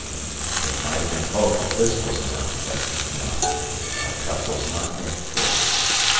It might have been hoped that this was enough, but no! our cup was not yet full.